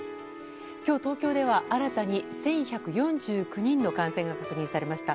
今日、東京では新たに１１４９人の感染が確認されました。